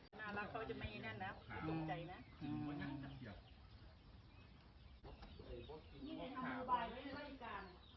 น่ารักเขาจะมีนั่นนะ